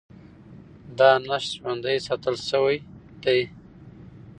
دا نسج ژوندي ساتل شوی دی.